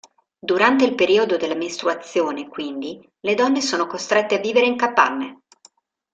Durante il periodo della mestruazione, quindi, le donne sono costrette a vivere in capanne.